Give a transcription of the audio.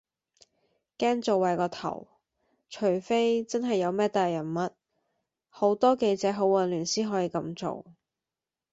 驚做壞個頭，除非真係有乜大人物，好多記者好混亂先可以咁做